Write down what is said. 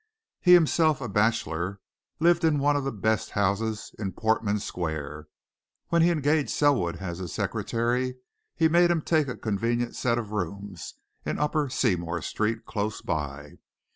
He himself, a bachelor, lived in one of the best houses in Portman Square; when he engaged Selwood as his secretary he made him take a convenient set of rooms in Upper Seymour Street, close by.